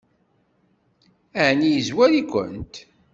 Ɛni yezwar-ikent?